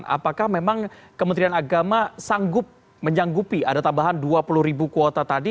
apakah memang kementerian agama sanggup menyanggupi ada tambahan dua puluh ribu kuota tadi